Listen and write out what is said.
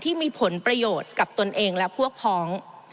ที่มีผลประโยชน์กับตนเองและพวกพ้อง